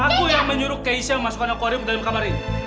aku yang menyuruh keisha masukkan akwarium dalam kamar ini